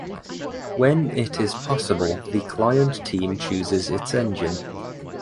When it is possible the Client team choses its engine.